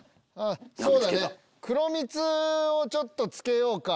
そうだね黒蜜をちょっとつけようか。